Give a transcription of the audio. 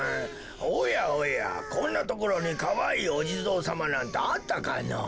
おやおやこんなところにかわいいおじぞうさまなんてあったかのぉ。